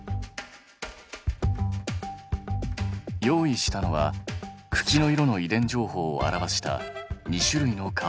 用意したのは茎の色の遺伝情報を表した２種類のカード。